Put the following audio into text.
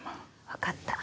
分かった。